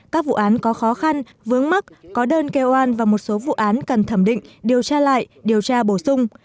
các vụ án có khó khăn vướng mắt có đơn kêu an và một số vụ án cần thẩm định điều tra lại điều tra bổ sung